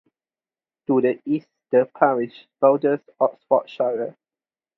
To the east the parish borders Oxfordshire.